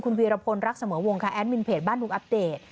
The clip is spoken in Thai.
คุณเวียระพลรักเสมอวงคาแอดมินเพจบ้านนุ่มอัปเดต